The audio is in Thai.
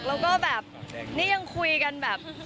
แล้วก็แบบนี่ยังคุยกันแบบ